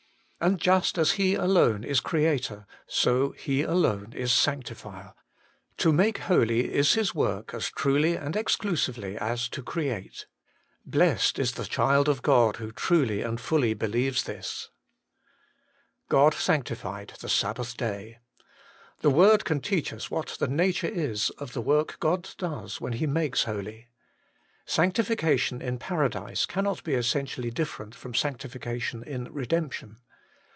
And just as He alone is Creator, so He alone is Sanctifier ; to make holy is His work as truly and exclusively as to create. Blessed is the child of God who truly and fully believes this ! God sanctified the Sabbath day. The word can 30 HOLY IN CHKIST. teach us what the nature is of the work God does when He makes holy. Sanctification in Paradise cannot be essentially different from Sanctification in Redemption.